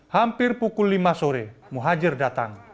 hampir pukul lima sore muhajir datang